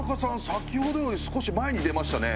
先ほどより少し前に出ましたね